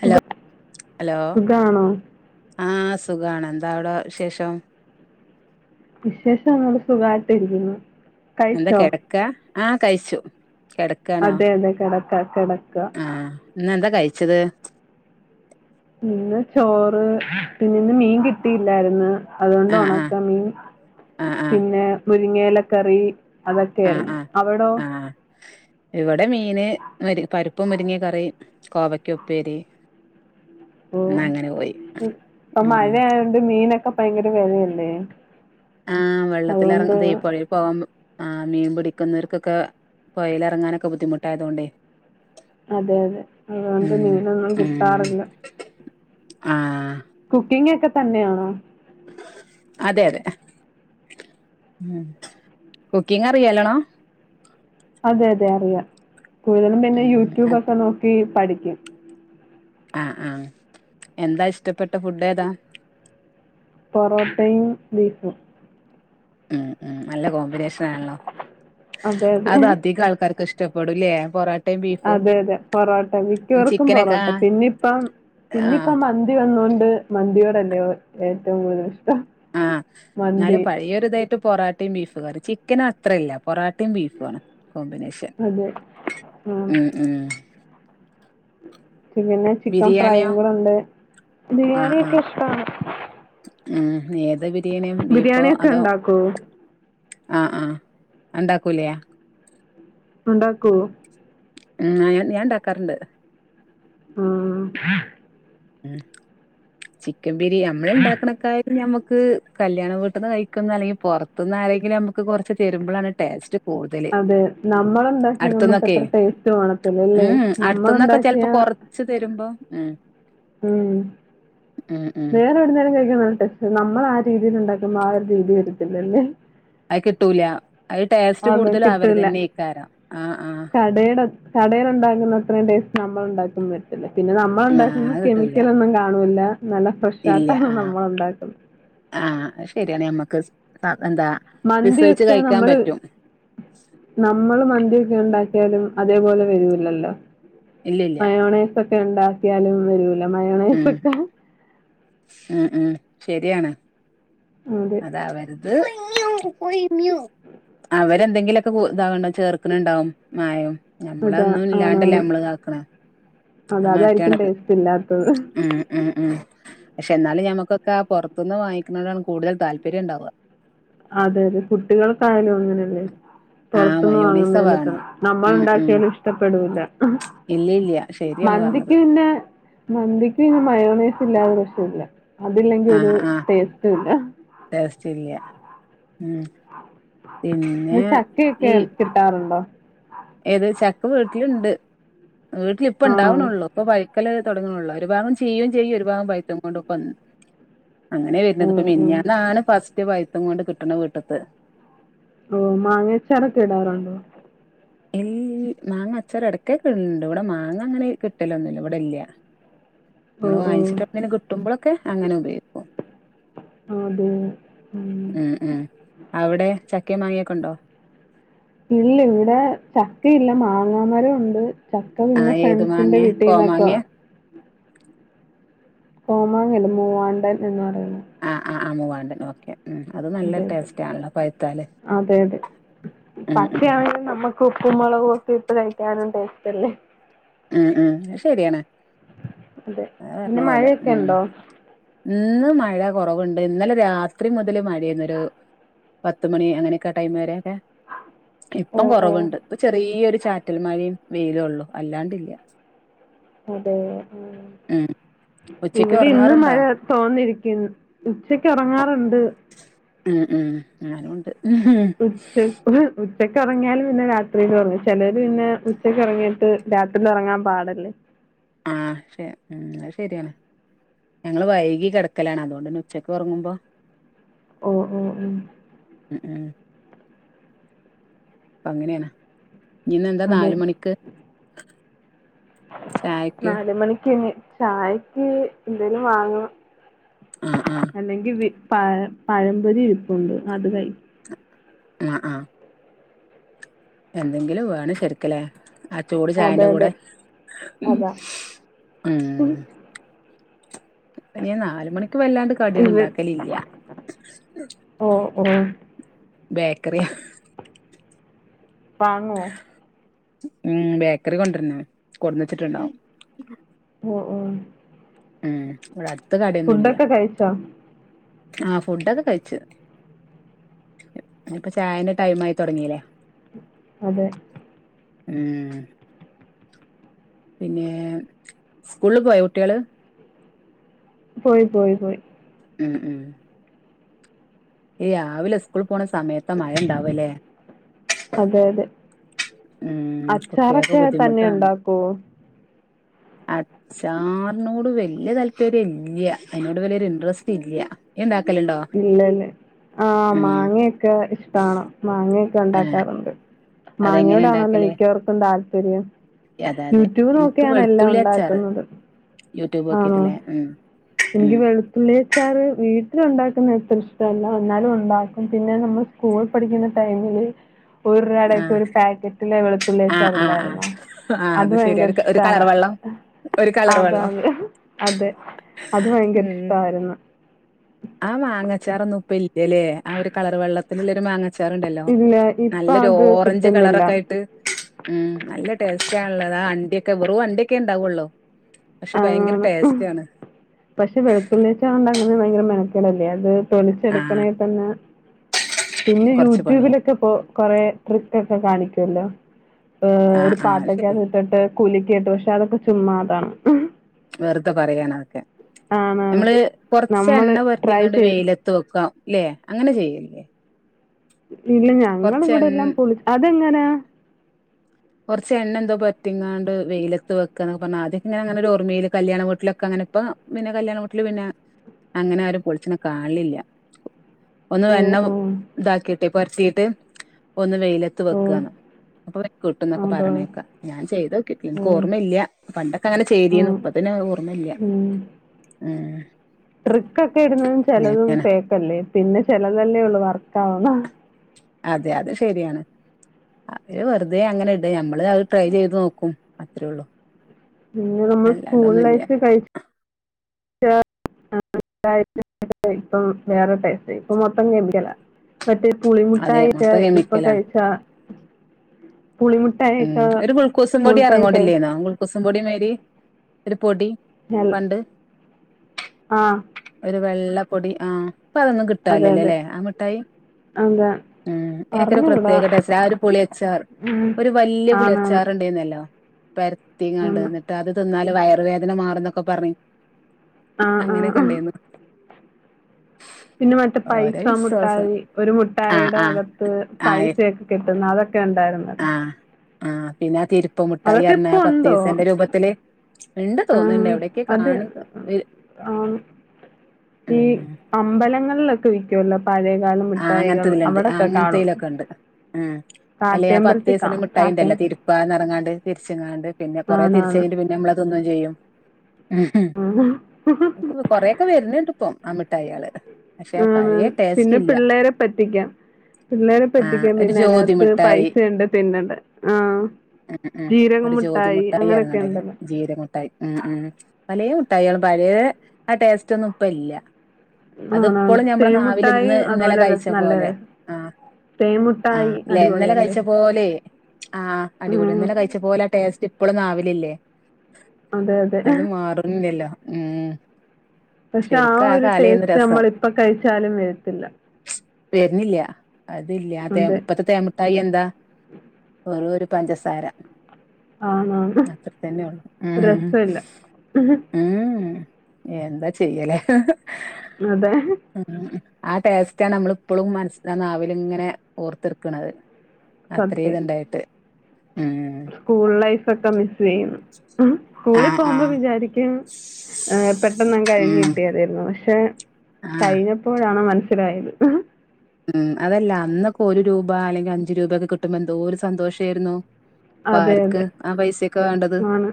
സുഖ hello hello സുഖാണോ ആ സുഖാണ് എന്താ അവ്ടെ വിശേഷം വിശേഷൊന്നുല്ല സുഖായ്ട്ട് ഇരിക്ക്ന്നു എന്താ കെടക്കാ ആഹ് കയ്ച്ചു അതെ അതെ കെട ക്കാ കെട ആഹ് ഇന്നെന്താ കയ് ച്ചത് ഇന്ന് ചോറ് പിന്നെ ഇന്ന് മീൻ കിട്ടിയില്ലായിര്ന്ന് അതൊണ്ട് ആ ആ ഒണക്കമീൻ ആ ആ പിന്നെ മുരിങ്ങയേലക്കറി അതൊക്കെ യായിരുന്നു അവിടോ ഇവ ടെ മീൻ പരി പരി ഇപ്പ മുരുങ്ങകറി, കോവയ്ക്ക് ഉപ്പേരി. ഓ ഇന്ന് അങ്ങനെ പോയി മ് ഇപ്പ ഉം മഴ ആയോണ്ട് മീന ക്കേ ഭയങ്കര വെലയല്ലേ? ആ വെള്ളത്തിൽ ഇറ ദേ പുഴയിൽ പോമ്പു ആ മീൻ പിടിക്കുന്നവർക്കൊക്കെ പൊഴേല് ഇറങ്ങാനൊക്കെ ബുദ്ധിമുട്ടായതുകൊണ്ടേ അതെ അതെ അതുകൊണ്ട് ഉം മീനോന്നും ഉം കിട്ടാറില്ല. ആ കുക്കിംഗ് ഒക്കെ തന്നെയാണോ? അതെ അതെ ഉം കുക്കിംഗ് അറിയൊ നല്ലോണം? അതെ അതെ അറിയാം. കൂടുതലും പിന്നെ ഉം യൂട്യൂബ് അ- ഒക്കെ നോക്കി. പഠിക്കും. ആ ആ എന്താ ഇഷ്ടപ്പെട്ട ഫുഡ് ഏതാ? പൊറോട്ടയും, ബീഫും. ഉം ഉം നല്ല കോമ്പിനേഷൻ ആണല്ലോ അതെ അതെ. അത് അധിക ആൾക്കാർക്ക് ഇഷ് ടപ്പെടുലേ? അതെ അതെ പൊറോട്ട മിക്കവർക്കും ചിക്കനൊക്കെ പൊറോട്ട, ആ പിന്നിപ്പം ആഹ് പിന്നിപ്പം മന്തി വന്നൊണ്ട് മന്തിയ അല്ലയോ ഏറ്റവും കൂടുതൽഷ് ആ ന്നാലും പഴേയൊരിതായിട്ട് പൊറാട്ടിം ബീഫ് കറിം ചിക്കൻ അത്രല്ല പൊറാ ട്ടിം ബീഫാണ് കോമ്പിനേഷൻ അതെ. ആഹ്. ഉ ഉം പിന്നെ ചിക്കൻ ബിരിയാണിയോ ഫ്രൈയും കൂടണ്ട് ആഹ് ബിരിയാണി ആഹ് കിട്ട്യാ ഇഷ്ടമാണ് ഉം ഏത് ബ് ബിരിയാണി ഒക്കെണ്ടാക്കോ ആ ആ അണ്ടാക്കൂലെ ഉണ്ടാക്കോ ഉം ഞാൻ ഞാൻ ണ്ടാക്കാറുണ്ട് ആഹ് ക്കൻ പിരി നമ്മള്ഇണ്ടാക്കണക്കായെക്കു ഞമ നക്ക് കല്യാണം വീട്ടന്ന് കഴിക്കുന്ന അല്ലെങ്കിൽ പെറത്തുന്ന ആരെങ്കിലും നമുക്ക് കുറച്ച് തെരുമ്പളാണ് ടേസ്റ്റ് കൂടുതല് അതെ നമ്മളുണ്ടാക്കിയ നമുക്ക് അടുത്തന്നൊക്കെ അത്ര ടേസ്റ്റ് കാണത്തില്ലല്ലേ ഉം അടുത്തന്നൊക്കെ ചെലപ്പോ നമ്മളെണ്ടാക്കിയാ കൊറച്ച് തരുമ്പോ ഉം ഉം ഉം ഉം വേറെ എവിടുന്നേലും കഴിക്കാൻ ന നമ്മൾ ആ രീതിൽ ഉണ്ടാക്കുമ്പോ ആ ഒരു രീതി വരത്തില്ലല്ലേ അ കിട്ടൂല അത് ടേസ്റ്റ് ആന്ന് കൂടുതലും കിട്ടല്ല അവരതന്നെയ്ക്കാരം ആഹ് ആഹ് കടയുടെ കടയില ഉണ്ടാകുന്ന അത്രയും ടേസ്റ്റ് നമ്മള് ണ്ടാക്കന്ന് വരത്തില്ല പിന്നെ നമ്മൾ ആഹ് ണ്ടാക്കുന്ന അത് കിട്ടൂല കെമിക്കലൊന്നും കാണൂല്ല നല്ല ഫ്രഷ ഇല്ല ആയിട്ടാണ് ആഹ് നമ്മൾ ഉണ്ടാക്കുന്നത് ത മന്തിയൊക്കെ നമ്മള് നമ്മള് മന്തിയൊക്കെ ഒണ്ടാക്കിയാലും അതേപോലെ വരൂല്ലല്ലോ ഇല്ലില്ല മയോണെ ഒക്കെ ഉണ്ടാക്കിയാലും ഒരു ല്ല മയൊണയ് ഉം സൊക്ക ഉം ഉം ശരിയാണ് അതെ അതാ വര [unintelligible] അവ എന്തെങ്കിലൊക്കെ ഇതോ ചേ ക്ക്ണുണ്ടാവും മായം അതാ നമ്മളൊന്നും ഇല്ലാണ്ടല്ലേ നമ്മള് ഇതാക്കണേ അത അതായിരിക്കും ടേസ്റ്റ് ഇല്ലാത്തത് ഉം ഉം ഉം പക്ഷെ എന്നാലും ഞമ്മക്കൊക്കെ പുറത്തുന്ന് വാങ്ങിക്കുന്നതാണ് കൂടുതൽ താല്പര്യം ഉണ്ടാവുക അതെ അതെ കുട്ടികൾക്കായാലും അങ്ങനെയല്ലേ ആഹ് പുറത്തുന്ന് മയോണീസ വാങ്ങുന്നതിന്റെതാ വേണം നമ്മൾ ഉം ഉം ഉണ്ടാക്കിയാല് ഇഷ്ടപ്പെടുല്ല ഇല്ല ഇല്ല ശരിയാണ് മന്തിക്ക് പറഞ്ഞത് പിന്നെ മന്തിക്ക് പിന്നെ മയോണയ്സ് ഇല്ലാത പറ്റൂല അതില്ലെങ്കി ഒരു ആഹ് ആഹ് ടേസ്റ്റും ഇല്ല ടേസ്റ്റ് ഇല്ല ഉം പിന്നെ ന്നെ ചക്കയൊക്കെ ഈ കിട്ടാറുണ്ടോ ഇണ്ട് വീട്ടിലിപ്പ ആഹ് ഇണ്ടാവ്ണെള്ളു ഇപ്പൊ പയിക്കല് തുടങ്ങണുള്ളൂ ഒരു ഭാഗം ചീയുംചെയ്യും ഒരു ഭാഗം പയ്ത്തുംകൊണ്ട് അങ്ങനെ വരുന്നത് ഇപ്പ ഉം ഉം മിനിഞ്ഞാന്നാണ് ഫസ് പയ്ത്തും കൊണ്ട് കിട്ടണ വീട്ടത്തെ ഓ മാങ്ങഅച്ചാറോക്കെ ഇടാറുണ്ടോ ഈ മാങ്ങ അച്ചാറ് എടക്കൊക്കെ ഇടല്ണ്ട് ഇവിടെ മാങ്ങ അങ്ങനെ കിട്ടലൊന്നുല്ല ഇവിടെ ഇല്ല ഓ നമ്മള് ഓ വാങ്ങിച്ചിട്ട് എപ്പളെലും കിട്ടുമ്പോള് ക്കെ അങ്ങനെ ഉപയോഗിക്കും അതെ ഉം ഉം അവിടെ ച ചക്കെ മാങ്ങേക്കെ ഒണ്ടോ മാങ്ങാ മരം ഒണ്ട് ചക്ക പിന്നെ ആഹ് ഏത് ഫ്രണ്ട്സിന്റെ മാങ്ങേ വീട്ടിൽന്നൊക്കെ കോമാങ്ങേ കോമാങ്ങല്ല മൂവാണ്ടൻ എന്ന് പറയുന്ന ആ മൂവാണ്ടൻ ഓക്കെ ഉം അത് നല്ല അതെതെ ടേസ്റ്റ് ആണല്ലോ പഴുത്താല് അതെ അതെ ഉം പച്ച ഉം ആണെലും നമ്മുക്ക് ഉപ്പും മുളകും ഒക്കെ ഇട്ട് കഴിക്കാനും ടെസ് തല്ലേ ഉം ഉം അത് ശെരിയാണ് അതെ അത് പറഞ്ഞ പിന്നെ പോലെ മഴയൊക്കെ ഉണ്ടോ ഇന്ന് മഴ കുറവുണ്ട് ഇന്നലെ രാത്രി മുത മുതല് മഴയാരുന്നൊരു പത്തു മണി അങ്ങനെയൊക്കെ ടൈം വരെ ഓ ഇപ്പം ഓ കൊറവ്ണ്ട് ഇപ്പൊ ചെറിയൊരു ചാറ്റൽമഴേം വെയിലോള്ളു അല്ലാണ്ട് ഇ ഇല്ല അതെ ഉച്ചക്ക് ഇവിടെ ഇന്ന് ഉറങ്ങാറുണ്ടോ മഴ തോന്നിയിരിക്കും ഉച്ചക്ക് ഒറങ്ങാറുണ്ട് ഉം ഉം ഞാനും ഉണ്ട് [unintelligible] ഉച്ചക്ക് ഉറങ്ങിയാല് പിന്നെ രാത്രീലും ഉറങ്ങും ചെലര് പിന്നെ ഉച്ചക്ക് ഉറങ്ങീട്ട് രാത്രില് ഉറങ്ങാൻ പാടല്ലേ ആ ശെരി ഉം അത് ശെര്യാണ് ഞങ്ങള് വൈകി കിടക്കലാണ് അതുകൊണ്ടന്നെ ഉച്ചക്ക് ഉറങ്ങുമ്പോ ഓ ഓ ഓ ഉം അപ്പങ്ങനെയാണ് ഇന്നെന്താ അതെ നാല് മണിക്ക് ചായക്ക് നാല് മണിക്ക് ഇനി ചായക്ക്‌ എന്തേലും വാങ്ങണം ആഹ് ആഹ് അല്ലെങ്കി വി പഴ പഴമ്പൊരി ഇരിപ്പുണ്ട് അത് കഴി അ ആ എന്തെങ്കിലും വേണം ശരിക്ക്ലേ ആ ചൂട് അതെ ചായന്റെ അതെ കൂടെ അതാ ഉം [inaudible] ഐന് ഞാൻ നാല് മണിക്ക് വല്ലാണ്ട് ഇവ കടിയൊന്നുണ്ടാക്കലില്യ ഓ ഓ ബേക്കറിയാ വാങ്ങോ? ഉം ബേക്കറി കൊണ്ടര്നാണ് കൊട്ന്ന് വെച്ചിട്ടുണ്ടാവും ഓ ഓ ഉം ഇവിട ടുത്ത് കടയൊന്നുല്യാ ഫുഡൊക്കെ കഴിച്ചോ ആ ഫുഡൊക്കെ കഴിച്ച് ഞ്ഞിപ്പം ചായന്റെ ടൈമായി തുടങ്ങീല്ലേ അതെ ഉം പിന്നെ സ്കൂള്ള് പോയോ കുട്യേള് പോയി പോയി പോയി ഉം ഉം ഈ രാവിലെ സ്കൂൾ പോണ സമയത്താ മഴണ്ടാവലേ അതെ അതെ ഉം കുട്ടികൾക്ക് അച്ചാറൊക്കെ തന്നെ ബുദ്ധിമുട്ടാണ് ഉണ്ടാക്കോ അച്ചാറിനോട് വല്യ താല്പര്യം ഇല്യാ ഐനോട് വല്യൊരു ഇന്ട്രസ്റ്റ് ഇല്യാ യിണ്ടാ ഇല്ലല്ല ആ ഉം മാങ്ങക്കെ ഇഷ്ടാണ് ആഹ് മാങ്ങയൊക്കെണ്ടാക്കാറുണ്ട് അതെങ്ങനെ മാങ്ങയോടാണല്ലോ ഇണ്ടാക്കല് മിക്കവർക്കും താല്പ ശരിയാ അതെ അതെ യൂട്യൂബ് എനിക്ക് നോക്കിയാണ് എല്ലാം വെളുത്തുള്ളി അച്ചാറ് ഉണ്ടാക്കുന്നത് യൂട്യൂബ് ആ നോക്കിട്ടില്ലേ ഉം എനിക്ക് ഉം വെളുത്തുള്ളി അച്ചാറ് വീട്ടിലുണ്ടാക്കി ഷ്ടമല്ല എന്നാലും ഉണ്ടാക്കും പിന്നെ നമ്മൾ സ്കൂൾ പഠിക്കുന്ന ടൈമില് [unintelligible] ആഹ് ഒരു പാക്കറ്റില് ആഹ് ആഹ് ആഹ് വെളുത്തുള്ളിച്ചാറില്ലായിരുന്നോ ആഹ് അത് ശെരി ഭയങ്കര ഒരു ഒരു കളർ ഇഷ്ടാണ് വെള്ളം ഒരു കളർ അത വെള്ളം അത് അതെ അത് ഭയങ്കര ഇഷ്ടമായിരുന്നു ആഹ് മാങ്ങച്ചാറൊന്നും ഇപ്പല്ല ല്ലെ ആ ഒരു കളർ വെള്ള [unintelligible] മാങ്ങ ചാറുണ്ടല്ലോ ഇല്ല ഇപ്പൊ നല്ലൊരു അത് ഓറഞ്ച് കിട്ടുന്നില്ല. കളറൊക്കെ ആയിട്ട് ഉം നല്ല ടേസ്റ്റാ ഉള്ളത് അ ക്കെ വെറും അണ്ടി ഒക്കെ ഉണ്ടാവുള്ളു അ അ പക്ഷെ വെളുത്തുള്ളിചാര് ഉണ്ട അ ഭയങ്കര മെനക്കടല്ലേ അത് ആഹ് തൊലിച്ചെടുക്കണെ തന്നെ പിന്നെ കൊറച്ച് പണിയാ യൂട്യൂബിലൊക്കെ പോ കുറെ ട്രിക്ക് ഒക്കെ കാണിക്കും ഇല്ല ഹ് ഒരു ആഹ് ആഹ് പാട്ടൊക്ക ശരിയാ ഇട്ടിട്ട് കൂലിക്കിയിട്ടു പക്ഷെ അതൊകെ ചുമ്മാതാണ് വെറുതെ പറയാണതോക്കെ ആണാണ്. എമ്മള് നമ്മള് കൊറെചെണ്ണ ട്രൈ പര്തിങ്ങാണ്ട് ചെയ്ത് വെയിലത്ത്‌ വെക്ക ല്ലേ അങ്ങനെ ചെയ്യല്ലേ ഇല്ല കൊറച്ച് ഞങ്ങളിവിടെ എൺ എല്ലാം പൊളി അതെങ്ങനാ കുറച്ച് എണ്ണ എന്തോ പറ്റിങ്ങാണ്ട് വെയില തു വെക്കണൊ പർഞാ ആദ്യകെ ങ്ങനെ അങ്ങനൊരു ഓർമയില് കല്യാണ വീട്ടിലൊക്കെ അങ്നെപ്പ പിന്നെ കല്യാണ വൂട്ടില് പിന്നെ അങ്ങനെ ആരും പൊളിച്ണ കാണ്ലില്ല ഒന്ന് ഓഹ് എണ്ണ ഓഹ് ഇതാക്കിയിട്ട് ഇപ്പൊര് ത് ഒന്ന് വെയിലത്ത് ഓഹ് വെക്കാന്ന് അപ്പൊ [unintelligible] കിട്ടന്നൊക്കെ അതോ പറേണെക്കാം ഞാൻ ചെയ്തക്കിട്ടി എനിക്ക് ഓഹ് ഓർമ്മയില്ല പണ്ടൊക്കെ അങ്ങനെ ചെയ്തിന്ന് ആഹ് ഇപ്പതിന് ഓർമ്മയില്ല ഉം. ഏഹ് ട്രിക്കൊക്കെ ഇടുന്നതും ചെലതും അങ്ങനാ ഫേക്കല്ലേ പിന്നെ ചെലതല്ലേ ഉള്ളൂ വർക്ക് ആവുന്ന അതെ അത് ശരിയാണ് അവര് വെറുതെ അങ്ങനെ ഇടും ഞമ്മള് അത് ട്രൈ ചെയ്ത് നോക്കും അത്രേള്ളു പിന്നെ നമ്മൾ സ്കൂൾ ലൈഫിൽ കഴി [inaudible] ഇപ്പം വേറൊ ടെസ്റ്റായി ഇപ്പ മൊത്തം കെമിക്കല മറ്റേ അതെ പുളിമുട്ടായിക്കേ മൊത്തം ഇപ്പൊ കെമിക്കലാണ് കഴിച്ചാ ഉം പുളിമുട്ടായൊക്കെ ഒരു ഗുൾക്കൂസും സ്കൂൾ പൊടി ടൈം ഇറങ്ങോടില്ലേന്നോ ഗുൾക്കൂസ്‌ മുടെനരി ഇത്തിരി പൊടി ഹ പണ്ട് ആഹ് ഒരു വെള്ളപ്പൊടി ആഹ് അപ്പൊ അതൊന്നും അതെ അതെ കിട്ടാൻല്ലല്ലേലെ ആ മിട്ടായി എന്താ ഉം എനൊക്കൊരു അറിഞ്ഞൂടാ പ്രത്യേക ടസാ ആ ഒരു പുളിഅച്ചാർ ഉം ഒരു വല്യ പുളി ആണാണ് അച്ചാറ് ഉണ്ടായിന്നല്ലോ പരത്തിങ്ങണ്ട് ആന്ന് എന്നിട്ട് അത് തിന്നാൽ വയറ് വേദന മാറും ന്നൊക്കെ പറയും ആ ആ അങ്ങനൊക്കെ ആ. ണ്ടേന്ന് പിന്നെ മറ്റേ ഓരോ പൈസ വിശ്വാസം മുട്ടായി ഒരു ആഹ് മുഠായിയുടെ ആഹ് അകത്ത് ആഹ് പൈസയൊക്കെ കിട്ടുന്ന അതൊക് ക്കെ ണ്ടായിരുന്നല്ലോ ആ പിന്നെ തിരു പൊ മുട്ടായിര്ണ ആ പത്ത് ഉണ്ടോ പൈസേന്റെ രൂപത്തില് ണ്ട് ആ തോന്നുണ്ട് എവിടെയൊക്കെ അത് കാണി ഉ ആ ചോയ്ക്കുവല്ലപ് ആ അങ്ങനത്തതില്ണ്ട് കാണും. അങ്ങനത്തെയിലൊക്കെ ണ്ട് ഉം അല്ലെ ആ കാട്ടിയമ്പലത്തിൽ പത്തയ്സേന്റെ കാണും മിഠായിണ്ടല്ല കാട്ടിയം തിരുപ്പാന്നർങാണ്ട് തിരിച്ചുങ്ങാണ്ട് പിന്നെകുറേ ആണാണ്. തിരിച്ചഴിഞ്ഞിട്ട് പിന്നെമ്മള് അതിന്ന ചെയ്യും ആഹ്. ക്ക് കൊറെക്കെ വരുന്നണ്ട് ഇപ്പം ആമിട്ടായികള് ആന്ന് ആന്ന് പിന്നെ പിള്ളേരെ പറ്റിക്കാം പിള്ളേരെ ആ പറ്റിക്കാൻ ഒരു പിന്നെ ജ്യോതി അയിനകത്ത് മിഠായി പൈസയുണ്ട് തിന്നണ്ട് ആഹ് ഉം ഉം ജീരക ഒരു ജ്യോതി മുട്ടായി മിഠായി അങ്ങനെയൊക്കെ ഇറങ്ങണ്ടേ ണ്ടല്ലോ ജീര മിഠായി ഉം ഉം പലേ മുട്ടായികളും പലേ ആ ടേസ്റ്റ് ഒന്നും ഇപ്പ ഇല്ല അത് ആണാണ് ഇപ്പോഴും ഞമ്മളെ നാവിൽ തേൻമുട്ടായി ഇന്ന് ഇന്നലെ കഴിച്ച പോലെ ആ തേൻ മുട്ടായി ആല്ലെ ഇന്നലെ അടിപൊളിയല്ലേ? കഴിച്ച പോലെ ആ അടിപൊളി ഉം. ഇന്നല കഴിച്ച പോലെ ടേസ്റ്റ് ഇപ്പളും നാവിലില്ലേ അതെ അത് അതെ. മാറുന്നില്ലല്ലോ ഉം പക്ഷെ ആ ശരിക്കും ഒരു കാലേന്നു ടേസ്റ്റ് നമ്മൾ രസം ഇപ്പ കഴിച്ചാലും വരും ത്തില്ല വര്ണില്ല അതില്ല ആ ഇപ്പത്തെ തേൻമുട്ടായി എന്താ ഓരോരോ പഞ്ചസാര ആണാണ്. അത്ര തന്നെ ഉള്ളു രസല്ല. ഉം എന്താ ചെയ്യാല്ലെ അതെ ആ ടേസ്റ്റാണ് നമ്മളിപ്പളും മനസ്സിലനാവിലിങ്ങെനെ ഓർത്തിർക്കണത്. അത്ര സത്യം. ഇതുണ്ടായിട്ട് ഉം സ്കൂൾ ലൈഫൊക്കെ മിസ് ചെയ്യുന്നു. സ്കൂളിൽ ആഹ് പോമ്പം ആഹ് വിചാരിക്കും ഏ പെട്ടെന്നങ്ങ് ഉം കഴിഞ്ഞിട്ടിയാ മതിയാരുന്ന് പക്ഷേ. ആഹ് കഴിഞ്ഞപ്പോഴാണ് മനസ്സ ലായത് ഉം അതല്ല അന്നൊക്കെ ഒരു രൂപ അല്ലെങ്കിൽ അഞ്ചു രൂപൊക്കെ കിട്ടുമ്പോ എന്തോരു സന്തോഷാരുന്നു ഇപ്പ അതെ ആറ്ക്ക് അതെ. ആ പൈസേക്കെ വേണ്ടത്. ആണ്.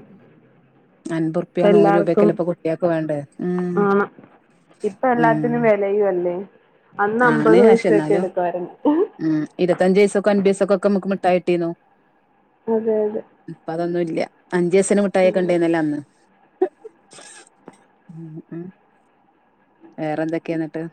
ഇപ്പ അൻപത്റുപ്പ്യ നൂറ് എല്ലാർക്കും രൂപേക്കെല്ലേ ഇപ്പൊ കുട്ടികക്ക് വേണ്ടേ. ങ് ആണ്. ഇപ്പ ങ് എല്ലാത്തിനും വെലയും അല്ലേ? അന്ന് ഞാനേ നശ് പൈസയൊക്കെ എന്നാലും എടുക്കുവായിരുന്നു. ങ് ഇരുപ്പത്തഞ്ചുപ്പൈസൊക്കും അമ്പത് പൈസക്കൊക്കെ മ ക്ക്മിട്ടായിട്ടീന്നോ അതെ അതെ യാ അഞ്ചപൈസന മുട്ടായൊക്കെണ്ടാരുന്നല്ലോ അന്ന്. ഉം ഉം വേറെന്തൊക്കെയന്നിട്ട്.